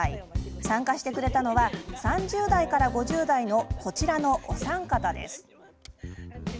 参加してくれたのは３０代から５０代のこちらのお三方です。